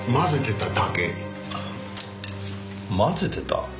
混ぜてた。